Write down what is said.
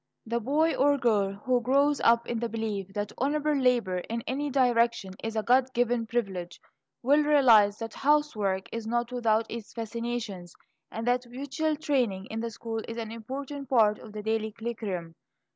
The boy or girl who grows up in the belief that honorable labor in any direction is a God given privilege, will realize that housework is not without its fascinations, and that manual training in the school is an important part of the daily curriculum.